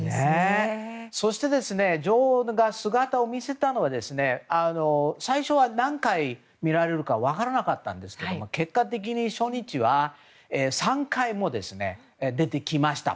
そして、女王が姿を見せたのは最初は何回見られるか分からなかったんですけども結果的に初日は３回も出てきました。